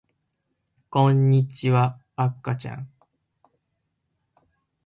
こんにちはあかちゃん